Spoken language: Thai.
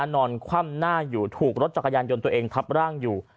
นอนคว่ำหน้าอยู่ถูกรถจักรยานยนต์ตัวเองทับร่างอยู่